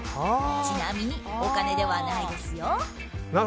ちなみに、お金ではないですよ。